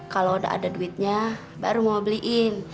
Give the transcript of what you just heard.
kalau udah ada duitnya baru mau beliin